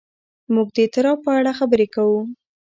موږ د اضطراب په اړه خبرې کوو.